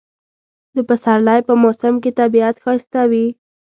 د پسرلی په موسم کې طبیعت ښایسته وي